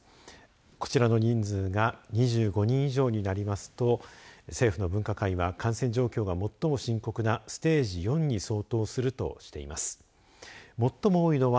こちらの人数が２５人以上になりますと政府の分科会は感染状況が最も深刻なステージ４に相当するとしています。